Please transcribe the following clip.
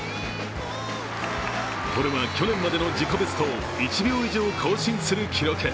これは去年までの自己ベストを１秒以上更新する記録。